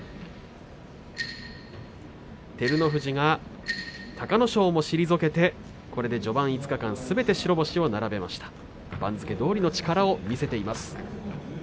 照ノ富士が隆の勝も退けてこれで序盤５日間すべて白星を並べました。